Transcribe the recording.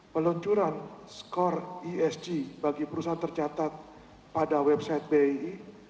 peluncuran skor esg bagi perusahaan tercatat pada website bii